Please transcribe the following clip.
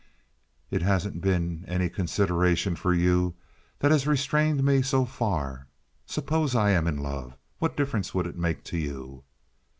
It hasn't been any consideration for you that has restrained me so far. Suppose I am in love? What difference would it make to you?"